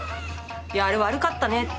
いやあれ悪かったね。